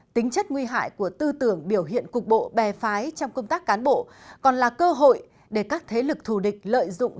tính chất nguy hại của tư tưởng biểu hiện cục bộ bè phái trong công tác cán bộ còn là cơ hội để các thế lực thù địch lợi dụng